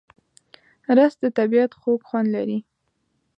رس د طبیعت خوږ خوند لري